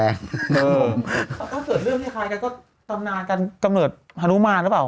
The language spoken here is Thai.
แล้วก็เกิดเรื่องที่คลายกันก็ตำนานการกำเนิดฮานุมานหรือเปล่าคะ